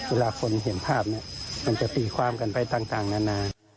เวลาคนเห็นภาพเนี่ยมันจะตีความกันไปต่างนานา